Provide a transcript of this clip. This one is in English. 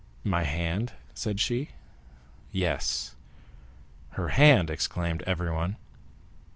"My hand?" said she. "Yes." "Her hand!" exclaimed everyone.